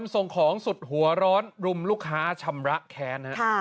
ส่งของสุดหัวร้อนรุมลูกค้าชำระแค้น